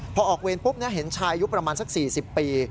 พอออกเวรปุ๊บเห็นชายอายุประมาณสัก๔๐ปี